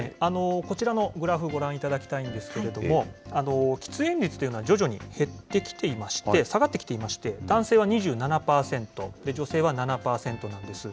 こちらのグラフ、ご覧いただきたいんですけれども、喫煙率というのは徐々に減ってきていまして、下がってきていまして、男性は２７％、女性は７％なんです。